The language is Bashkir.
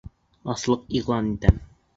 Аслыҡ иғлан итәм!